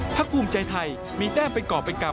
ภูมิใจไทยมีแต้มเป็นก่อเป็นกรรม